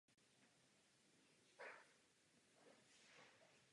Na těchto tělesech se pak dají pozorovat velice dobře například efekty gravitačních vln.